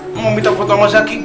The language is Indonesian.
mau minta foto sama zaky